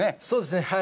そうですね。